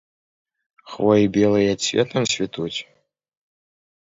Хвоі белыя цветам цвітуць?